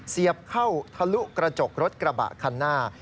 เสียบเข้าทะลุกระจกรถกระบะคันหน้า